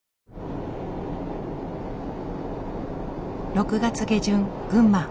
６月下旬群馬。